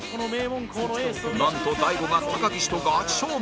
なんと大悟が高岸とガチ勝負？